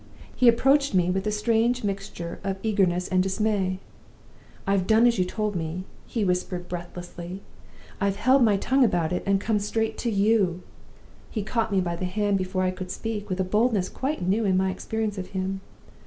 He approached me with a strange mixture of eagerness and dismay. 'I've done as you told me,' he whispered, breathlessly. 'I've held my tongue about it, and come straight to you!' He caught me by the hand before I could speak, with a boldness quite new in my experience of him.